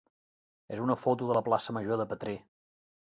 és una foto de la plaça major de Petrer.